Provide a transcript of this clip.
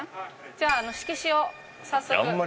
じゃあ色紙を早速。